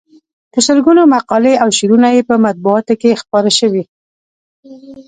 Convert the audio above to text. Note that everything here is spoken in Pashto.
په سلګونو مقالې او شعرونه یې په مطبوعاتو کې خپاره شوي.